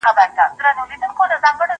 زه بوټونه پاک کړي دي!؟